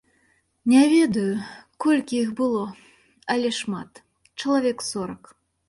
Не ведаю, колькі іх было, але шмат, чалавек сорак.